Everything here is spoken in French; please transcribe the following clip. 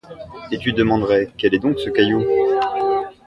Et tu demanderais : quel est donc ce caillou ?